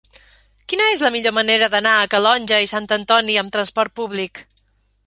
Quina és la millor manera d'anar a Calonge i Sant Antoni amb trasport públic?